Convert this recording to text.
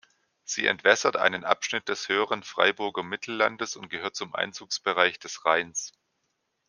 Sie entwässert einen Abschnitt des höheren Freiburger Mittellandes und gehört zum Einzugsbereich des Rheins.